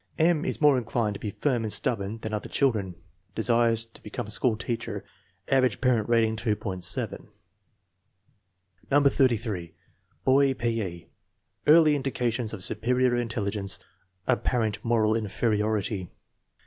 " M. is more inclined to be firm and stubborn than the other children." Desires to be* come a school teacher. Average parent rating, $.70. No. 33. Boy: P. E. Early indications of superior intelligence. Apparent moral inferiority.